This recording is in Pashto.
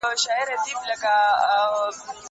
زه بايد ښوونځی ته ولاړ سم؟!